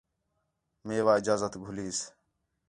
میوا اجازت گھلیس